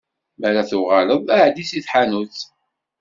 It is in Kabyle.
Mi ara tuɣaleḍ, εeddi si tḥanut.